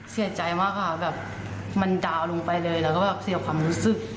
เสียใจมากค่ะแบบมันดาวน์ลงไปเลยแล้วก็แบบเสียความรู้สึก